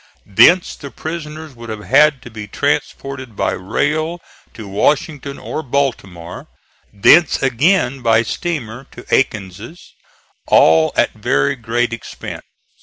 Thence the prisoners would have had to be transported by rail to Washington or Baltimore; thence again by steamer to Aiken's all at very great expense.